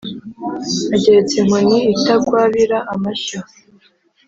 ageretse inkoni itagwabira amashyo